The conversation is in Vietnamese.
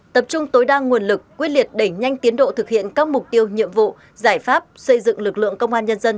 tập trung tối đa nguồn lực quyết liệt đẩy nhanh tiến độ thực hiện các mục tiêu nhiệm vụ giải pháp xây dựng lực lượng công an nhân dân